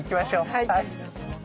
はい。